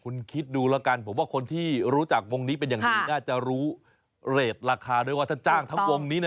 คุณคิดดูแล้วกันผมว่าคนที่รู้จักวงนี้เป็นอย่างดีน่าจะรู้เรทราคาด้วยว่าถ้าจ้างทั้งวงนี้นะ